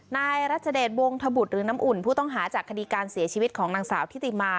นายรัชเดชวงธบุตรหรือน้ำอุ่นผู้ต้องหาจากคดีการเสียชีวิตของนางสาวทิติมา